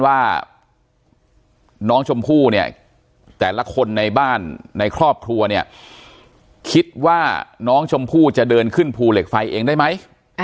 ว่าคนในบ้านในครอบครัวเนี่ยคิดว่าน้องชมพู่จะเดินขึ้นภูเหล็กไฟเองได้ไหม